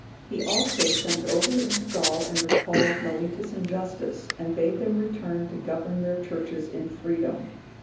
He also sent over into Gaul, and recalled Mellitus and Justus, and bade them return to govern their churches in freedom.